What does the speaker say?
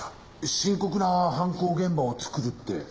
深刻な犯行現場をつくるって。